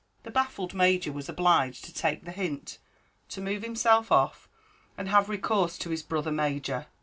The baffled Major was obliged to take the hint, to move himself off, and have recourse to his brother major.